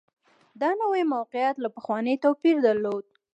دا نوي موقعیت له پخواني توپیر درلود